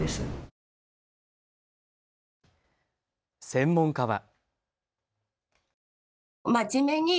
専門家は。